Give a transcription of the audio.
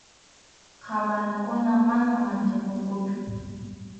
qamarakuna, manam manchakunkuchu.